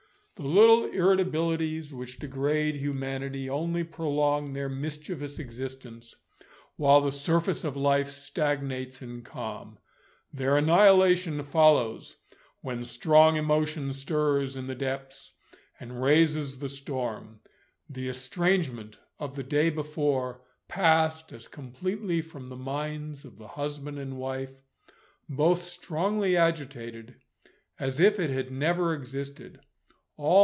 The little irritabilities which degrade humanity only prolong their mischievous existence, while the surface of life stagnates in calm. Their annihilation follows when strong emotion stirs in the depths, and raises the storm. The estrangement of the day before passed as completely from the minds of the husband and wife both strongly agitated as if it had never existed.